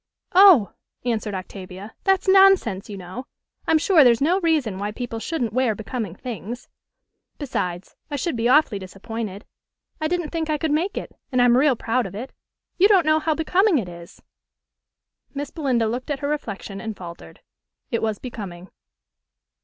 "Oh!" answered Octavia, "that's nonsense, you know. I'm sure there's no reason why people shouldn't wear becoming things. Besides, I should be awfully disappointed. I didn't think I could make it, and I'm real proud of it. You don't know how becoming it is!" Miss Belinda looked at her reflection, and faltered. It was becoming.